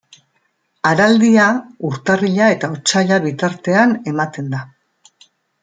Araldia urtarrila eta otsaila bitartean ematen da.